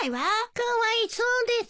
かわいそうです。